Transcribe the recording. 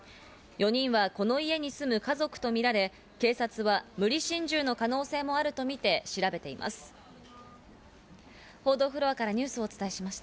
４人はこの家に住む家族とみられ、警察は無理心中の可能性もあるとみて調べています。